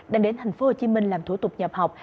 đang đến tp hcm làm thủ tục nhập học